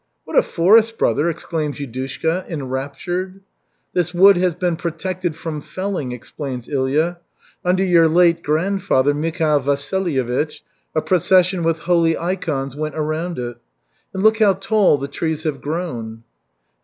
"What a forest, brother!" exclaims Yudushka, enraptured. "This wood has been protected from felling," explains Ilya. "Under your late grandfather Mikhail Vasilyevich, a procession with holy ikons went around it. And look how tall the trees have grown."